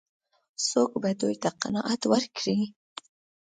څوک به دوی ته قناعت ورکړي؟